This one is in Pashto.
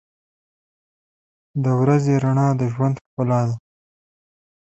• د ورځې رڼا د ژوند ښکلا ده.